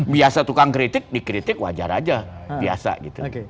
biasa tukang kritik dikritik wajar aja biasa gitu